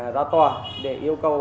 ra tòa để yêu cầu